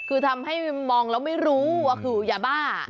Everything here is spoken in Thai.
คือทำให้มองแล้วไม่รู้ว่าคือยาบ้า